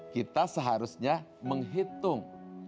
kita seharusnya menghitung